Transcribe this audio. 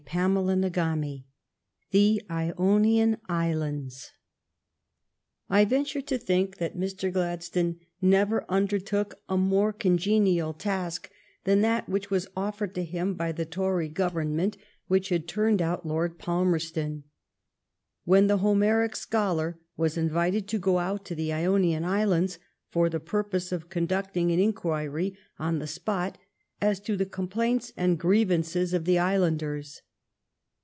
CHAPTER XVII THE IONIAN ISLANDS I VENTURE to think that Mr. Gladstone never undertook a more congenial task than that which was offered to him by the Tory Government, which had turned out Lord Palmerston, when the Homeric scholar was invited to go out to the Ionian Islands for the purpose of conducting an inquiry on the spot as to the complaints and griev ances of the islanders.